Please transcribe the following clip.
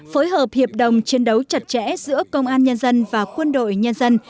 phối hợp hiệp đồng chiến đấu chặt chẽ giữa công an nhân dân và quân đội nhân dân